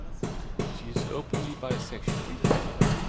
She is openly bisexual.